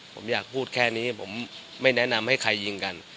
ผมอยากพูดแค่นี้ผมไม่แนะนำให้ใครยิงกัน